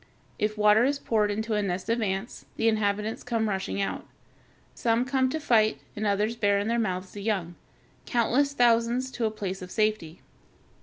If water is poured into a nest of ants, the inhabitants come rushing out. Some come to fight, and others bear in their mouths the young (Fig. 244), countless thousands, to a place of safety.